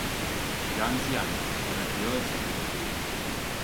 Ya anciano, se retiró del servicio público.